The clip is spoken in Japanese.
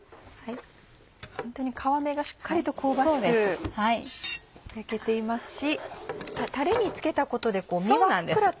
ホントに皮目がしっかりと香ばしく焼けていますしたれにつけたことで身もふっくらと。